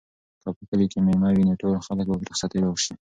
که په کلي کې مېله وي نو ټول خلک به په رخصتۍ لاړ شي.